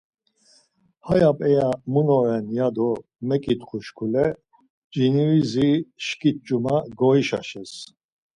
Haya peya mun oren ya do meǩitxu şkule, Cinivizi şkit cuma goişaşes.